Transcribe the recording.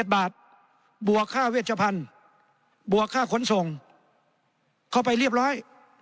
บาทบวกค่าเวชพันธุ์บวกค่าขนส่งเข้าไปเรียบร้อย